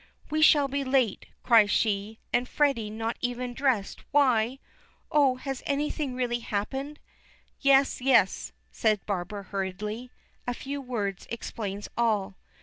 "We shall be late," cries she, "and Freddy not even dressed, why Oh, has anything really happened?" "Yes, yes," says Barbara hurriedly a few words explains all.